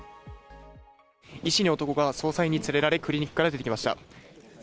医師の男が捜査員に連れられクリニックから出てきました。